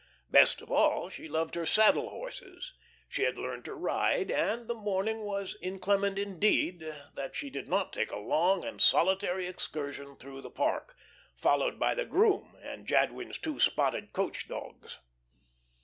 Best of all she loved her saddle horses. She had learned to ride, and the morning was inclement indeed that she did not take a long and solitary excursion through the Park, followed by the groom and Jadwin's two spotted coach dogs.